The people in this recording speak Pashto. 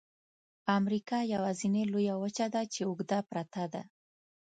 امریکا یوازني لویه وچه ده چې اوږده پرته ده.